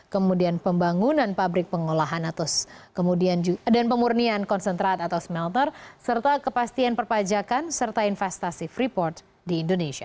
kemudian pembangunan pabrik pengolahan atau pemurnian konsentrat atau smelter serta kepastian perpajakan serta investasi freeport di indonesia